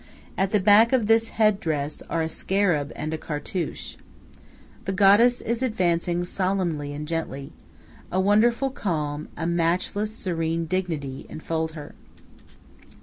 At the back of this head dress are a scarab and a cartouche. The goddess is advancing solemnly and gently. A wonderful calm, a matchless, serene dignity, enfold her.